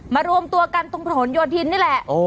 มารวมตัวกันตรงผลลนพหลโยธินนี่แหละ